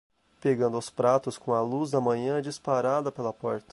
Pegando os pratos com a luz da manhã disparada pela porta